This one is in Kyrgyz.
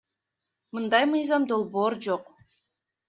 Мындай мыйзам долбоор жок.